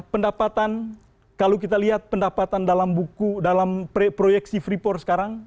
pendapatan kalau kita lihat pendapatan dalam buku dalam proyeksi freeport sekarang